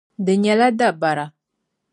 Di nyɛla dabara.